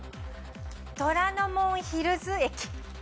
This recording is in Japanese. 虎ノ門ヒルズ駅。